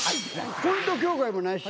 コント協会もないし。